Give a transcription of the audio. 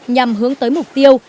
nhằm hướng tới mục tiêu